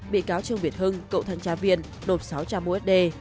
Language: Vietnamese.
bị cáo trương biệt hưng cậu thanh tra viên nộp sáu trăm linh usd